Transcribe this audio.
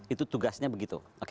itu tugasnya begitu